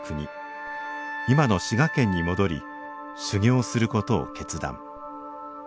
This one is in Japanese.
今の滋賀県に戻り修行することを決断。